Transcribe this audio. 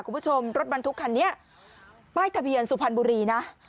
คุณผู้ชมรถบรรทุกคันนี้ป้ายทะเบียนสุพรรณบุรีนะ